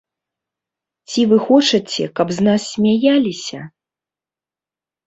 Ці вы хочаце, каб з нас смяяліся?